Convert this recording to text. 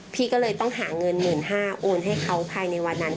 พี่ก็เลยต้องหาเงิน๑๕๐๐โอนให้เขาภายในวันนั้น